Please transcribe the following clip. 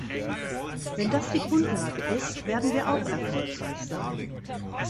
Wenn das die Grundlage ist, werden wir auch erfolgreich sein.